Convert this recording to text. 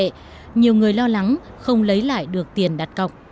vì vậy nhiều người lo lắng không lấy lại được tiền đặt cọc